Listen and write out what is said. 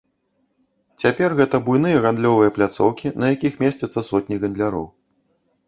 Цяпер гэта буйныя гандлёвыя пляцоўкі, на якіх месцяцца сотні гандляроў.